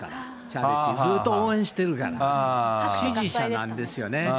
チャリティー、ずっと応援してるから、支持者なんですよね。